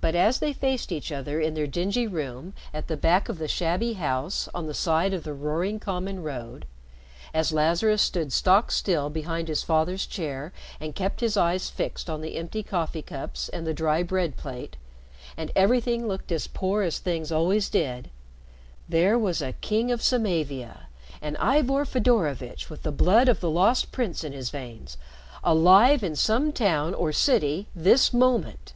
But as they faced each other in their dingy room at the back of the shabby house on the side of the roaring common road as Lazarus stood stock still behind his father's chair and kept his eyes fixed on the empty coffee cups and the dry bread plate, and everything looked as poor as things always did there was a king of Samavia an Ivor Fedorovitch with the blood of the Lost Prince in his veins alive in some town or city this moment!